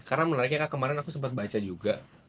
karena menariknya kak kemarin aku sempat baca juga